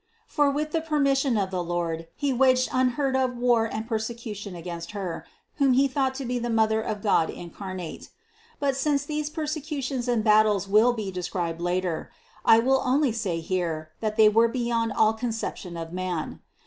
For with the permission of the Lord, he waged unheard of war and persecution against Her, whom he thought to be the Mother of God incarnate. But since these persecutions and battles will be de scribed later (No. 692 697, Part II 340 71; III 451 528), I will only say here, that they were beyond all conception of man.